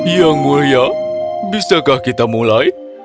yang mulia bisakah kita mulai